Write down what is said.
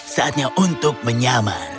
saatnya untuk menyamar